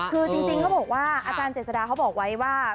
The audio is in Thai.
คือจริงเขาบอกว่าอาจารย์เจษฎาเขาบอกไว้ว่า